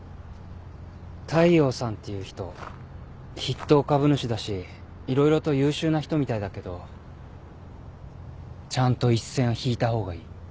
大陽さんっていう人筆頭株主だし色々と優秀な人みたいだけどちゃんと一線は引いた方がいい。